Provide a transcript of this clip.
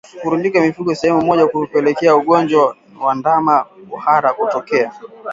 Kurundika mifugo sehemu moja hupelekea ugonjwa wa ndama kuhara kutokea